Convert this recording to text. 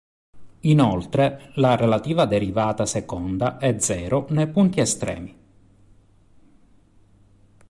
Inoltre, la relativa derivata seconda è zero nei punti estremi.